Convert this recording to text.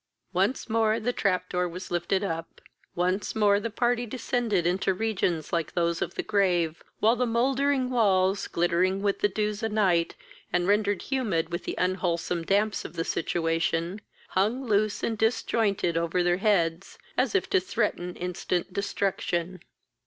Once more the trap door was lifted up; once more the party descended into regions like those of the grave, while the mouldering walls, glittering with the dews of night, and rendered humid with the unwholsome damps of the situation, hung loose and disjointed over their heads, as if to threaten instant destruction.